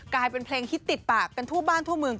กลายเป็นเพลงฮิตติดปากกันทั่วบ้านทั่วเมือง